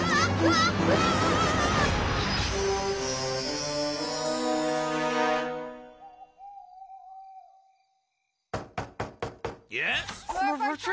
はい。